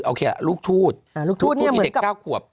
โอเคละลูกทูตลูกทูตที่เด็ก๙ขวบ